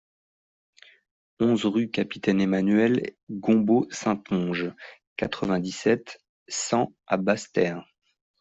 onze rue Capitaine Emmanuel Gombaud-Saintonge, quatre-vingt-dix-sept, cent à Basse-Terre